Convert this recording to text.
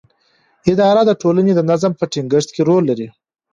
اداره د ټولنې د نظم په ټینګښت کې رول لري.